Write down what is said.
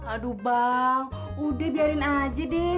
aduh bang udah biarin aja deh